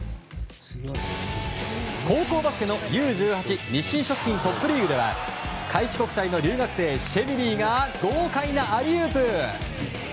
高校バスケのＵ‐１８日清食品トップリーグでは開志国際の留学生シェミリーが豪快なアリウープ！